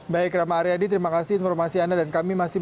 baik rama aryadi terima kasih informasi anda dan kami masih